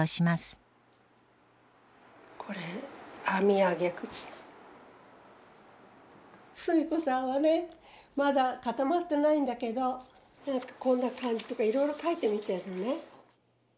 これスミコさんはねまだかたまってないんだけどこんな感じとかいろいろ描いてみてるのね。